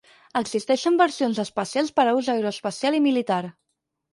Existeixen versions especials per a ús aeroespacial i militar.